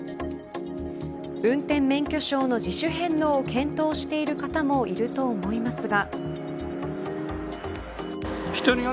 運転免許証の自主返納を検討している方もいると思いますが。